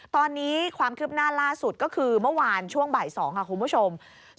ตอนนี้ความคืบหน้าล่าสุดก็คือเมื่อวานช่วงบ่าย๒ค่ะคุณผู้ชม